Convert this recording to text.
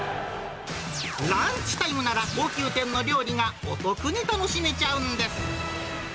ランチタイムなら、高級店の料理がお得に楽しめちゃうんです。